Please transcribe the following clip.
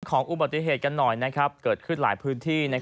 ในส่วนของอุบัติเกิดขึ้นหลายพื้นที่